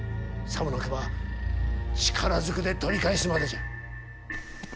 さもなくば力ずくで取り返すまでじゃ。